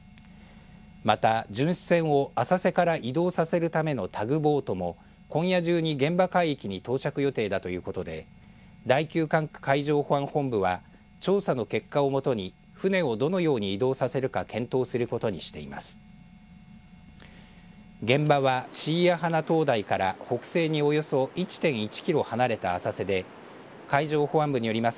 また、巡視船を浅瀬から移動させるためのタグボートも今夜中に現場海域に到着予定だということで第９管区海上保安本部は調査の結果を基に船をどのように移動させるか検討することにしています。